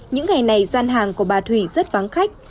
những ngày này gian hàng của bà thủy rất vắng khách